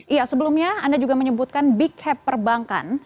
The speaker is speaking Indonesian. iya sebelumnya anda juga menyebutkan big happ perbankan